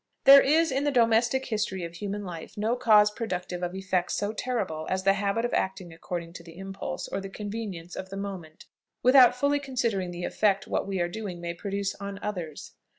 There is in the domestic history of human life no cause productive of effects so terrible as the habit of acting according to the impulse, or the convenience, of the moment, without fully considering the effect what we are doing may produce on others.